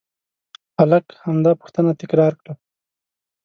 هلک همدا پوښتنه تکرار کړه.